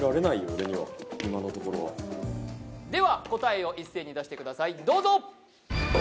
俺には今のところはでは答えを一斉に出してくださいどうぞ！